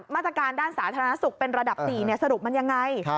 มาตรการด้านสาธารณสุขเป็นระดับ๔สรุปมันยังไง